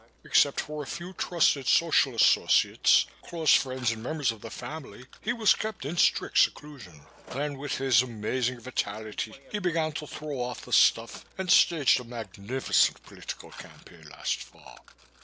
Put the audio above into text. Except for a few trusted social associates, close friends and members of the family, he was kept in strict seclusion. Then, with his amazing vitality, he began to throw off the stuff and staged a magnificent political campaign last fall.